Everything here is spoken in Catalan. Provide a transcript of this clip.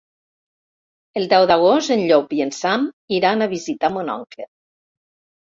El deu d'agost en Llop i en Sam iran a visitar mon oncle.